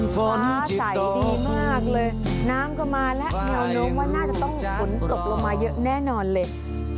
ฟ้าใสดีมากเลยน้ำก็มาแล้วแนวโน้มว่าน่าจะต้องฝนตกลงมาเยอะแน่นอนเลย